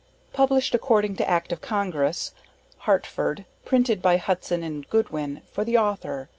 PUBLISHED ACCORDING TO ACT OF CONGRESS. HARTFORD PRINTED BY HUDSON & GOODWIN, FOR THE AUTHOR.